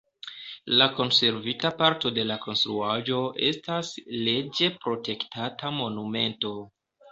La konservita parto de la konstruaĵo estas leĝe protektata monumento.